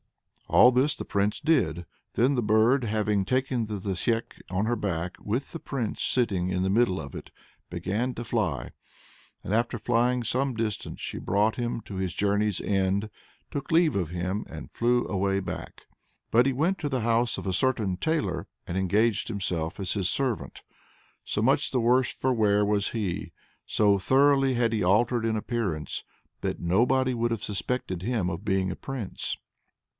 All this the Prince did. Then the bird having taken the zasyek on her back, with the Prince sitting in the middle of it began to fly. And after flying some distance she brought him to his journey's end, took leave of him, and flew away back. But he went to the house of a certain tailor, and engaged himself as his servant. So much the worse for wear was he, so thoroughly had he altered in appearance, that nobody would have suspected him of being a Prince.